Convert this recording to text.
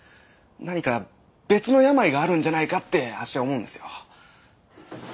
何か別の病があるんじゃないかってあっしは思うんですよ。